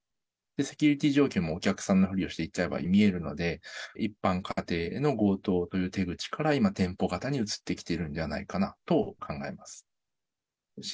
セキュリティ状況もお客さんのふりをして行っちゃえば見れるので、一般家庭への強盗という手口から、今店舗型に移ってきているのではないかなと考えます。